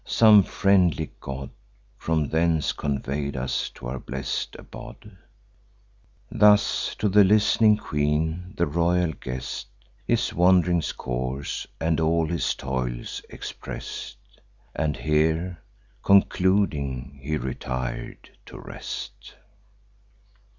Some friendly god From thence convey'd us to your blest abode." Thus, to the list'ning queen, the royal guest His wand'ring course and all his toils express'd; And here concluding, he retir'd to rest.